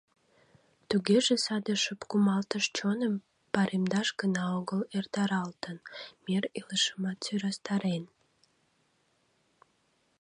Тугеже саде шып кумалтыш чоным паремдаш гына огыл эртаралтын, мер илышымат сӧрастарен.